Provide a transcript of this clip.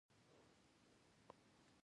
ژوندي بارونه د عراده جاتو وزن دی